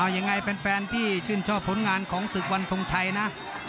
ยังไงแฟนที่ชื่นชอบผลงานของศึกวันทรงชัยนะ